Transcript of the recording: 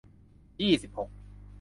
ยี่สิบหก